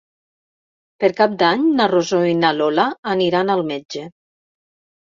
Per Cap d'Any na Rosó i na Lola aniran al metge.